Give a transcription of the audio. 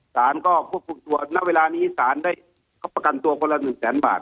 ศาลก็ควบคุมตัวณเวลานี้ศาลได้ก็ประกันตัวก็ละหนึ่งแสนบาท